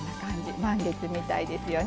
満月みたいですよね。